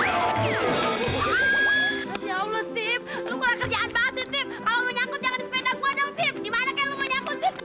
di mana kak lo mau nyangkut steve